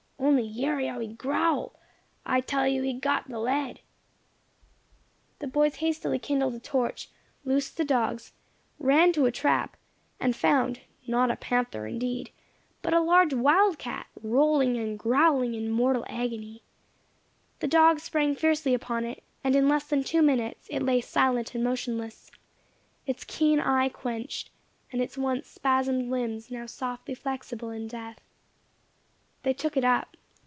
Only yerry[#] how he growl! I tell you he got de lead!" [#] Yerry, hear. The boys hastily kindled a torch, loosed the dogs, ran to the trap, and found, not a panther indeed, but a large wild cat, rolling and growling in mortal agony. The dogs sprang fiercely upon it, and in less than two minutes it lay silent and motionless, its keen eye quenched, and its once spasmed limbs now softly flexible in death. They took it up.